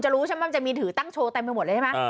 จะรู้ใช่มั้ยมีถือตั้งโชว์แต่ไม่หมดนะ